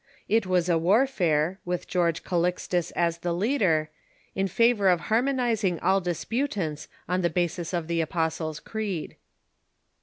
It was a warfare, with George Calixtus as the leader, in favor of harmonizing all disputants on the basis of the Apostles' Creed.